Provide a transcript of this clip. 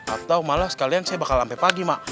atau malah sekalian saya bakal sampe pagi ma